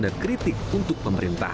dan kritik untuk pemerintah